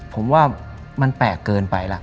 ผมว่ามันแปลกเกินไปล่ะ